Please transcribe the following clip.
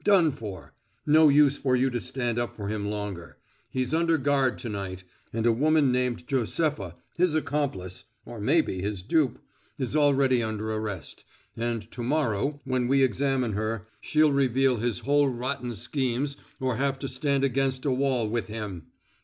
Done for! No use for you to stand up for him longer. He's under guard to night, and a woman named Josepha, his accomplice or maybe his dupe is already under arrest, and to morrow, when we examine her, she'll reveal his whole rotten schemes or have to stand against a wall with him.